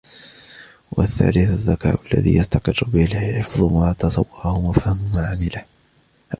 وَالثَّالِثُ الذَّكَاءُ الَّذِي يَسْتَقِرُّ بِهِ حِفْظُ مَا تَصَوَّرَهُ وَفَهْمُ مَا عَلِمَهُ